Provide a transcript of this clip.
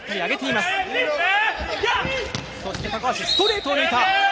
そして高橋ストレートを抜いた。